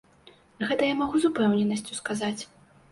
Гэта я магу з упэўненасцю сказаць.